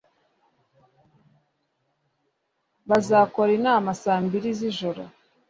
Bazakora inama saa mbiri zijoro.